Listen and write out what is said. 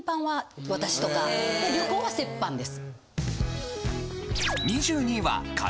で旅行は折半です。